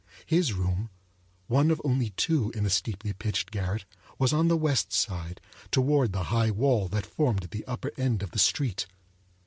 His room, one of only two in the steeply pitched garret, was on the west side, toward the high wall that formed the upper end of the street.